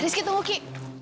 rizky tunggu ki